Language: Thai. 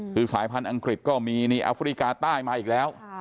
คือสายพันธุ์อังกฤษก็มีนี่แอฟริกาใต้มาอีกแล้ว